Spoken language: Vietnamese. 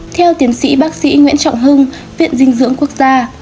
theo tiến sĩ bác sĩ nguyễn trọng hưng viện dinh dưỡng quốc gia